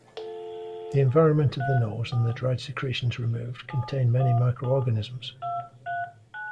The environment of the nose and the dried secretions removed contain many microorganisms.